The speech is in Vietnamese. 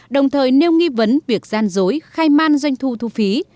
đồng thời nêu nghi vấn việc gian dối khai man doanh thu thu phí